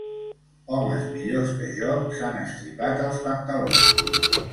Homes millors que jo s'han estripat els pantalons.